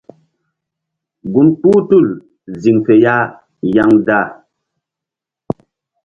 Gun kpuh tul ziŋ fe ya yaŋda.